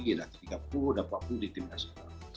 sudah tiga puluh sudah empat puluh di tim nasional